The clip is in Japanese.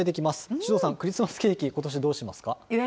首藤さん、クリスマスケーキ、ことしどうしますか？